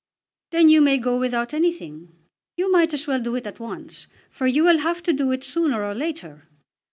"Then you may go without anything. You might as well do it at once, for you will have to do it sooner or later.